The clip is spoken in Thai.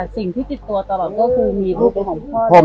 สิ่งที่ติดตัวตลอดก็คือมีรูปของพ่อแม่